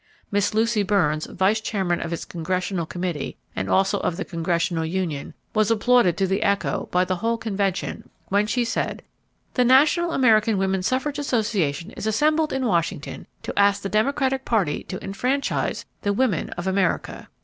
Miss Lucy Burns, vice chairman of its Congressional Committee and also of the Congressional Union, was applauded to the echo by the whole convention when she said: "The National American Woman Suffrage Association is assembled in Washington to ask the Democratic Party to enfranchise the women of America.